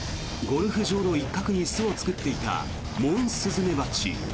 ゴルフ場の一角に巣を作っていたモンスズメバチ。